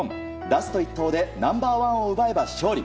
ラスト１投でナンバーワンを奪えば勝利。